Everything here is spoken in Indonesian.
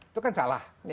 itu kan salah